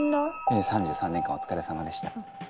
３３年間お疲れさまでした。